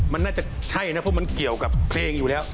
มันน่าจะใช่นะเพราะมันเกี่ยวกับเพลงอยู่แล้ว